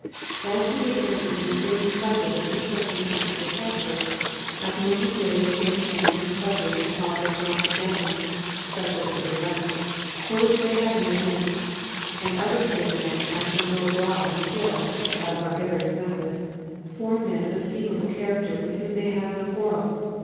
As to the apparently insane pleasure that he took in the actual captures, I can only say that sane men take a pleasure in the slaughter of harmless animals such as the giraffe for which they have no need; and other sane men actually go abroad and kill by barbarous methods foreign men of estimable character with whom they have no quarrel.